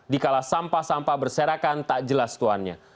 dikala sampah sampah berserakan tak jelas tuannya